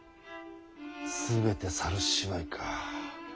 全て猿芝居か。